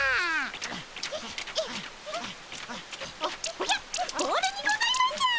おやっボールにございます！